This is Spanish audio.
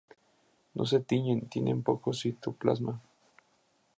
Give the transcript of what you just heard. No se tiñen, tienen poco citoplasma.